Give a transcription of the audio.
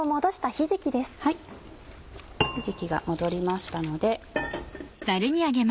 ひじきがもどりましたので。